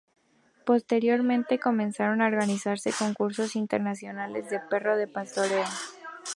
Posteriormente comenzaron a organizarse concursos internacionales de perros de pastoreo.